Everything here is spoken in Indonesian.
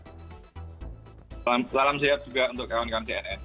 selamat malam selamat siang juga untuk kawan kawan cnn